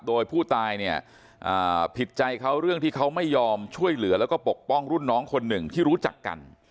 โดยผู้ตายเนี่ยผิดใจเขาเรื่องที่เขาไม่ยอมช่วยเหลือแล้วก็ปกป้องรุ่นน้องคนหนึ่งที่รู้จักกัน